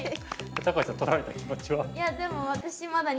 橋さん取られた気持ちは？